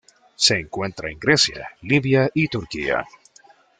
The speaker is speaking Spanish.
Se encuentra en Grecia, Libia y Turquía.